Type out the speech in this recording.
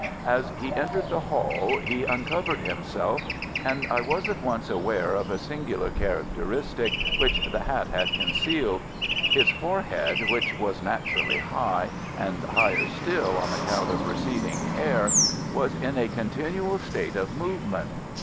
As he entered the hall he uncovered himself, and I was at once aware of a singular characteristic which the hat had concealed. His forehead, which was naturally high, and higher still on account of receding hair, was in a continual state of movement.